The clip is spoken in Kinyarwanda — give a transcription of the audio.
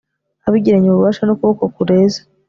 abigiranye ububasha n'ukuboko kureze